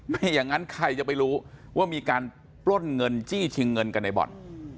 ไม่อย่างนั้นใครจะไปรู้ว่ามีการปล้นเงินจี้ชิงเงินกันในบ่อน